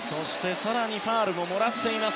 更にファウルももらっています。